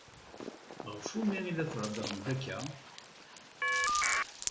Ɣef umi i la theddṛemt akka?